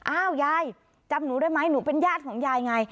อ้าวยายจำหนูได้ไหมหนูเป็นญาติของยายไง